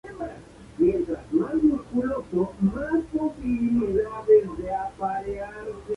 La lutita bituminosa es conocida como 'roca que se quema'.